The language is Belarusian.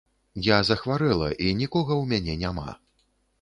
Я захварэла, і нікога ў мяне няма.